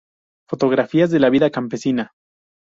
Fotografías de la vida campesina.